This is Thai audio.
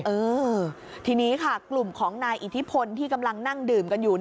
เออทีนี้ค่ะกลุ่มของนายอิทธิพลที่กำลังนั่งดื่มกันอยู่